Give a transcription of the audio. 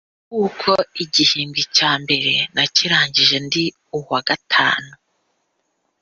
kuko igihembwe cya mbere nakirangije ndi uwa gatanu